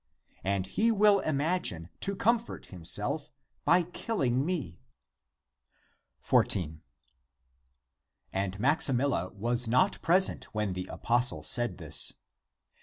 And he will imagine to comfort himself by killing me." 14. And Maximilla was not present when the apostle said this.